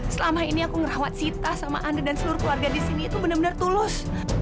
selama ini aku ngerawat sita sama anda dan seluruh keluarga di sini itu benar benar tulus